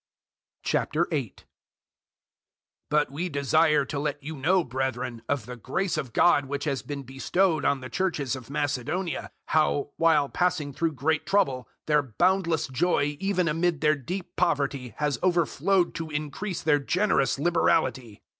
008:001 But we desire to let you know, brethren, of the grace of God which has been bestowed on the Churches of Macedonia; 008:002 how, while passing through great trouble, their boundless joy even amid their deep poverty has overflowed to increase their generous liberality.